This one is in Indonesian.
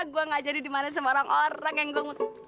gue nggak jadi dimana sama orang orang yang gue ngutang